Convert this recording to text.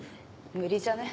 無理じゃね。